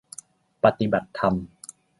ปฏิบัติธรรม